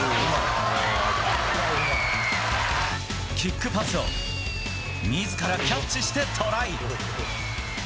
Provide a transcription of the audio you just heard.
キックパスを自らキャッチしてトライ。